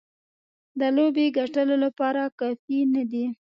د لوبې ګټلو لپاره کافي نه دي.